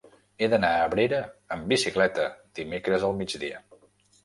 He d'anar a Abrera amb bicicleta dimecres al migdia.